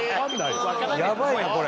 やばいなこれ。